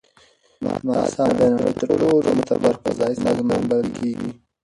ناسا د نړۍ تر ټولو معتبر فضایي سازمان بلل کیږي.